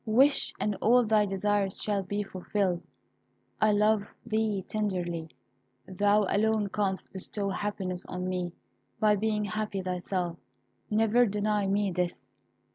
Wish, and all thy desires shall be fulfilled. I love thee tenderly; thou alone canst bestow happiness on me by being happy thyself. Never deny me this.